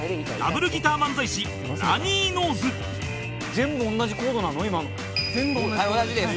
全部同じコードです。